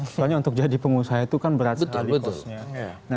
soalnya untuk jadi pengusaha itu kan berat sekali kosnya